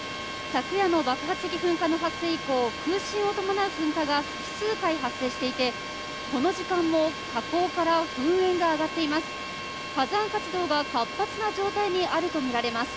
昨夜の爆発的噴火の発生以降空振を伴う噴火が複数回発生していてこの時間も火口から噴煙が上がっています。